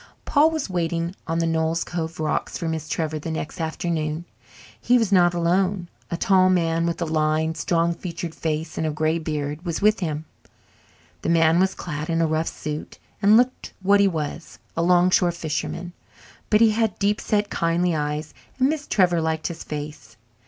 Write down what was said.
Paul was waiting on the Noel's Cove rocks for Miss Trevor the next afternoon. He was not alone; a tall man, with a lined, strong featured face and a grey beard, was with him. The man was clad in a rough suit and looked what he was, a 'longshore fisherman. But he had deep set, kindly eyes, and Miss Trevor liked his face.